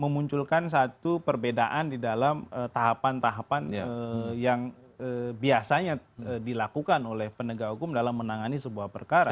memunculkan satu perbedaan di dalam tahapan tahapan yang biasanya dilakukan oleh penegak hukum dalam menangani sebuah perkara